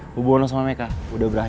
hubungan lo sama meka udah berakhir